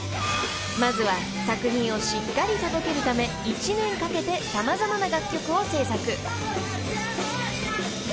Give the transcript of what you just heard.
［まずは作品をしっかり届けるため１年かけて様々な楽曲を制作］